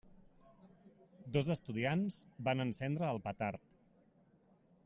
Dos estudiants van encendre el petard.